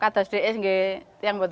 ketika di rumah saya saya selalu menanggung